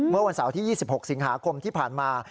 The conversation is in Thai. เมื่อวันเสาร์ที่๒๖สิงหาคมที่ผ่านมา